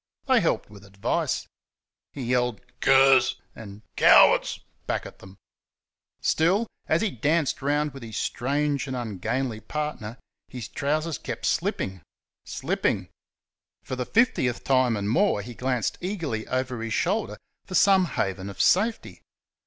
They helped with advice. He yelled "Curs!" and "Cowards!" back at them. Still, as he danced around with his strange and ungainly partner, his trousers kept slipping slipping. For the fiftieth time and more he glanced eagerly over his shoulder for some haven of safety.